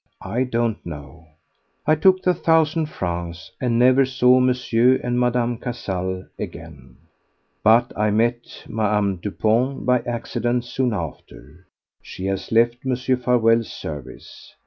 I don't know. I took the thousand francs and never saw M. and Mme. Cazalès again. But I met Ma'ame Dupont by accident soon after. She has left Mr. Farewell's service.